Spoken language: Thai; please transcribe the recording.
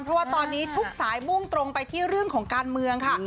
เพราะว่าตอนนี้ทุกสายมุ่งตรงไปที่เรื่องของการเมืองค่ะ